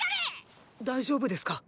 大丈夫ですか？